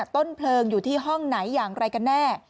ต้นเพลิงอยู่ที่ห้องไหนอย่างไรกันแน่